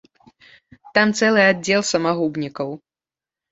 Там цэлы аддзел самагубнікаў.